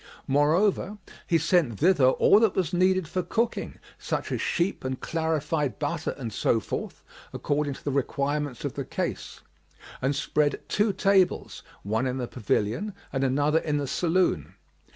Moreover, he sent thither all that was needful for cooking, such as sheep and clarified butter and so forth, according to the requirements of the case; and spread two tables, one in the pavilion and another in the saloon.